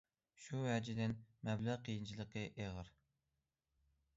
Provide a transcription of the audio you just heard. شۇ ۋەجىدىن مەبلەغ قىيىنچىلىقى ئېغىر.